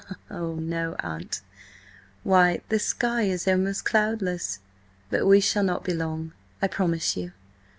"Oh, no, aunt! Why, the sky is almost cloudless! But we shall not be long, I promise you.